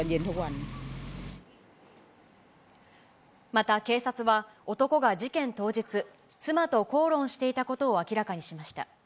また、警察は男が事件当日、妻と口論していたことを明らかにしました。